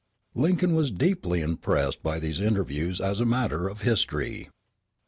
That Lincoln was deeply impressed by these interviews is a matter of history.